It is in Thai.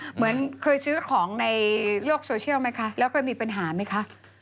เหมือนเคยซื้อของในโลกโซเชียลไหมคะแล้วเคยมีปัญหาไหมคะ